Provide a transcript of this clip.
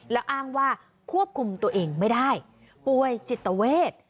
แล้วอ้างว่าควบคุมตัวเองไม่ได้ป่วยจิตเวท